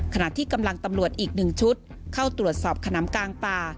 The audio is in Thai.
ขณะที่กำลังตำรวจอีก๑ชุดเข้าตรวจสอบขนำกลางป่า